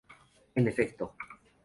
En efecto.